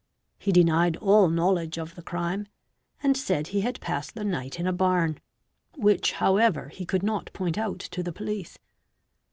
He denied all knowledge of the crime and said he had passed the night in a barn, which however he could not point out to the police.